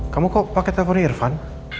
kamu kok pakai teori irfan